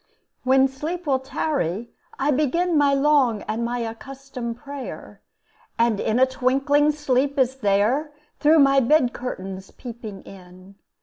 When sleep will tarry, I begin My long and my accustomed prayer; And in a twinkling sleep is there, Through my bed curtains peeping in.